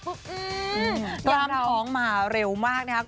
ย่ามท้องมาเร็วมากนะครับ